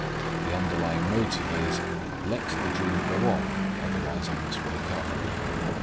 The underlying motive is: "Let the dream go on, otherwise I must wake up."